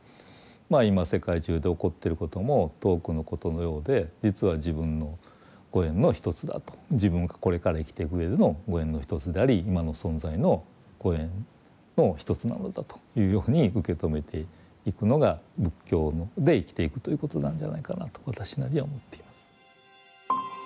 まあ今世界中で起こっていることも遠くのことのようで実は自分のご縁の一つだと自分がこれから生きていくうえでのご縁の一つであり今の存在のご縁の一つなのだというように受け止めていくのが仏教で生きていくということなんじゃないかなと私なりには思っています。